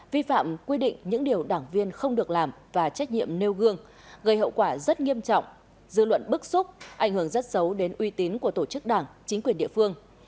vi phạm quy định những điều đảng viên không được làm và trách nhiệm nêu gương gây hậu quả rất nghiêm trọng dư luận bức xúc ảnh hưởng rất xấu đến uy tín của tổ chức đảng chính quyền địa phương